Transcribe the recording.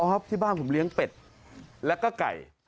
พอครับที่บ้านผมเลี้ยงเป็ดและก็ไก่